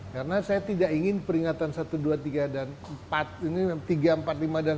karena saya tidak ingin peringatan satu dua tiga empat lima dan sepuluh